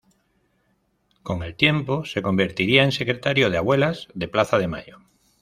Con el tiempo se convertiría en secretario de Abuelas de Plaza de Mayo.